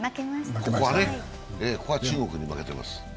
これは中国に負けてます。